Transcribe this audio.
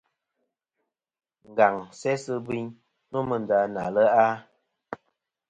Ngaŋ sesɨ biyn nômɨ nda na le'a.